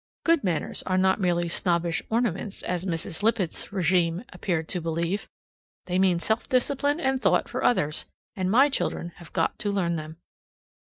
Good manners are not merely snobbish ornaments, as Mrs. Lippett's regime appeared to believe. They mean self discipline and thought for others, and my children have got to learn them.